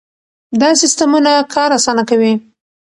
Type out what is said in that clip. دا سیستمونه کار اسانه کوي.